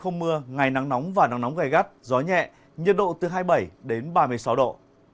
không mưa ngày nắng nóng và nắng nóng gai gắt gió nhẹ nhiệt độ từ hai mươi bảy đến ba mươi sáu độ